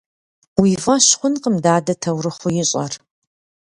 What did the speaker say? Уи фӀэщ хъункъым дадэ таурыхъыу ищӀэр.